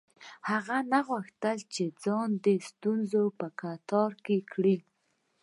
هغه نه غوښتل ځان په ستونزو کې لتاړ کړي.